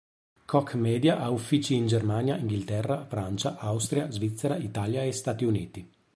Koch Media ha uffici in Germania, Inghilterra, Francia, Austria, Svizzera, Italia e Stati Uniti.